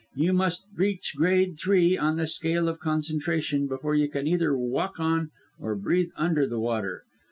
You must reach grade three in the scale of concentration, before you can either walk on, or breathe under, the water.